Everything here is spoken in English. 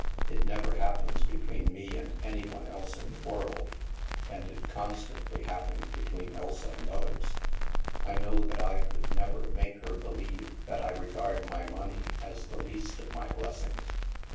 It never happens between me and any one else in the world ; and it constantly happens be tween Elsa and others. I know that I could never make her believe that I regard my money as the least of my blessings.